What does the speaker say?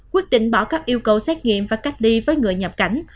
quyết định bỏ các yêu cầu xét nghiệm và cách ly với người nhập cảnh